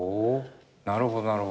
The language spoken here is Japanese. なるほどなるほど。